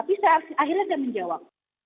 tapi saya akhirnya saya menjawab